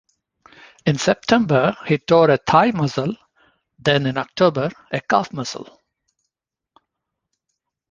In September he tore a thigh muscle, then in October a calf muscle.